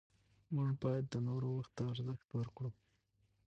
موږ باید د نورو وخت ته ارزښت ورکړو